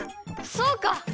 そうか！